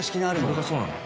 これがそうなんだ。